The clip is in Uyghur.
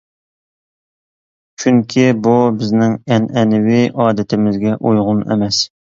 چۈنكى، بۇ بىزنىڭ ئەنئەنىۋى ئادىتىمىزگە ئۇيغۇن ئەمەس.